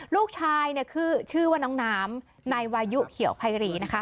ลูกชายชื่อว่าน้องน้ำในวายุเขียวพายรีนะคะ